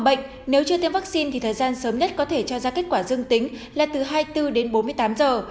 bệnh nếu chưa tiêm vaccine thì thời gian sớm nhất có thể cho ra kết quả dương tính là từ hai mươi bốn đến bốn mươi tám giờ